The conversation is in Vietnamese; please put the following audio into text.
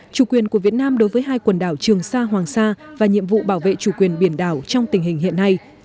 chủ quyền của việt nam đối với hai quần đảo trường sa hoàng sa và nhiệm vụ bảo vệ chủ quyền biển đảo trong tình hình hiện nay